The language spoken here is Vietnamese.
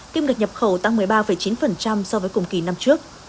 kim ngạch nhập khẩu tăng một mươi ba chín so với cùng kỳ năm trước